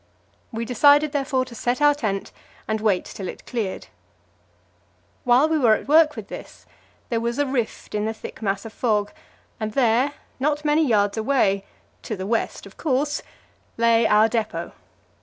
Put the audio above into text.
We decided, therefore, to set our tent and wait till it cleared. While we were at work with this, there was a rift in the thick mass of fog, and there, not many yards away to the west, of course lay our depot.